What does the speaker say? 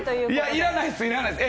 いらないです、いらないです